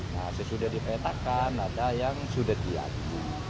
nah sesudah dipetakan ada yang sudah diakui